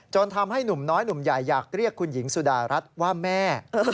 ทำให้หนุ่มน้อยหนุ่มใหญ่อยากเรียกคุณหญิงสุดารัฐว่าแม่